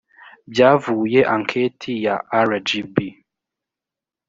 byavuye anketi ya rgb